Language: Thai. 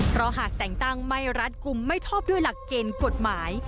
เพราะหากแต่งตั้งไม่รัดกลุ่มไม่ชอบด้วยหลักเกณฑ์กฎหมาย